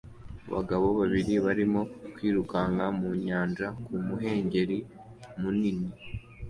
Abagabo babiri barimo kwiruka mu nyanja ku muhengeri munini